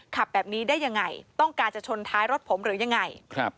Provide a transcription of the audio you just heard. ขับแบบนี้ได้ยังไงต้องการจะชนท้ายรถผมหรือยังไง